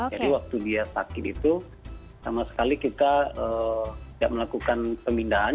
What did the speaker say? jadi waktu dia sakit itu sama sekali kita tidak melakukan pembinaan